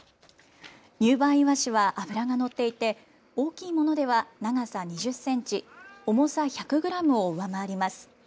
入梅いわしは脂が乗っていて、大きいものでは長さ２０センチ、重さ１００グラムを上回ります。